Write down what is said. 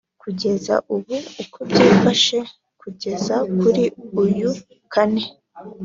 Kugeza ubu uko byifashe kugeza kuri uyu kane